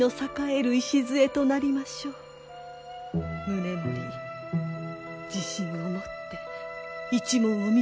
宗盛自信を持って一門を導くのです。